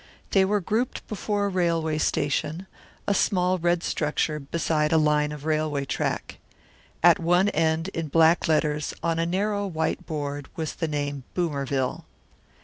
They were grouped before a railway station, a small red structure beside a line of railway track. At one end in black letters, on a narrow white board, was the name Boomerville.